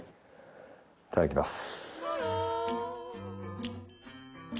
いただきます。